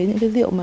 những cái rượu